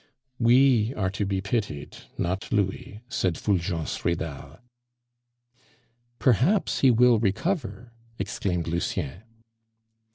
"We are to be pitied, not Louis," said Fulgence Ridal. "Perhaps he will recover," exclaimed Lucien.